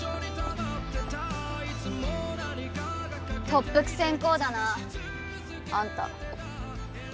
特服先公だなあんた。